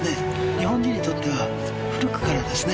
日本人にとっては古くからですね